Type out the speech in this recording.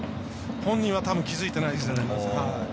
本人はたぶん気付いてないですね。